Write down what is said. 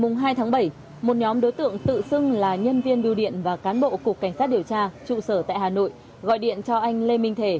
ngày hai tháng bảy một nhóm đối tượng tự xưng là nhân viên biêu điện và cán bộ cục cảnh sát điều tra trụ sở tại hà nội gọi điện cho anh lê minh thể